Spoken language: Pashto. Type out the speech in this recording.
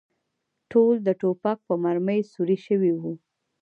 ټول د ټوپک په مرمۍ سوري شوي و.